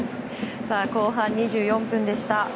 後半２４分でした。